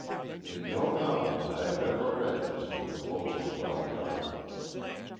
In no novel that I have ever read is the proposal well done.